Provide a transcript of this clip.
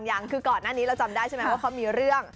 ยังคือก่อนหน้านี้เราจำได้ใช่ไหมว่าเขามีเรื่อง